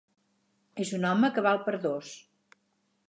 És un home que val per dos.